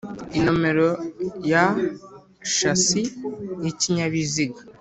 inomero ya shasi y ikinyabiziga